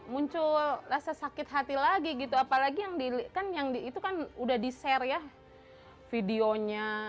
muncul rasa sakit hati lagi apalagi itu kan udah di share ya videonya